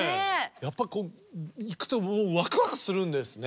やっぱ行くとワクワクするんですね。